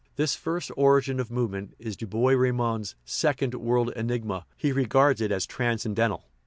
This first "origin of movement "is Du Bois Reymond's second "world enigma"; he regards it as transcen dental.